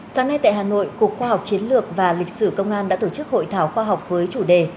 sáng nay tại hà nội cục khoa học chiến lược và lịch sử công an đã tổ chức hội thảo khoa học với chủ đề